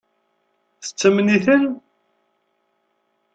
Tettamen-iten?